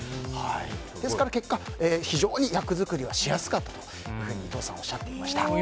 ですから結果非常に役作りはしやすかったと伊藤さんはおっしゃってました。